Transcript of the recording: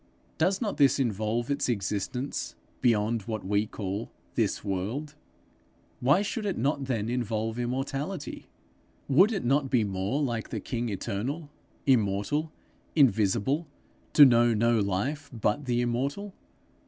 Does not this involve its existence beyond what we call this world? Why should it not then involve immortality? Would it not be more like the king eternal, immortal, invisible, to know no life but the immortal?